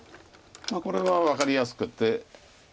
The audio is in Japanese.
これは分かりやすくて。